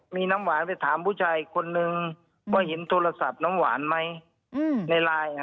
มีน้ำหวานไปถามผู้ใหญ่คนหนึ่งว่าเห็นโทรศัพท์น้ำหวาลมั้ย